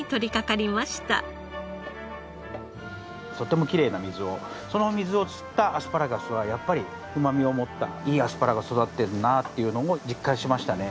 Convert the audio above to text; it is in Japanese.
とってもきれいな水をその水を吸ったアスパラガスはやっぱりうまみを持ったいいアスパラが育ってるなっていうのを実感しましたね。